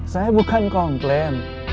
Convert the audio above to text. saya bukan komplain